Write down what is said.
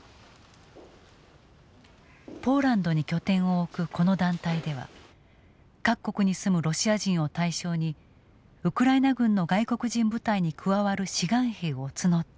ポーランドに拠点を置くこの団体では各国に住むロシア人を対象にウクライナ軍の外国人部隊に加わる志願兵を募っている。